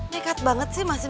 nekat banget sih masih